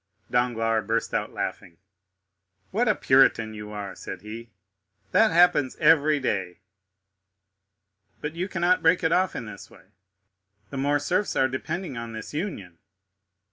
Danglars burst out laughing. "What a Puritan you are!" said he; "that happens every day." "But you cannot break it off in this way; the Morcerfs are depending on this union."